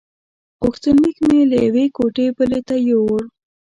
غوښتنلیک مې له یوې کوټې بلې ته یووړ.